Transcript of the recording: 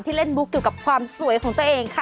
ที่เล่นบุ๊คเกี่ยวกับความสวยของตัวเองค่ะ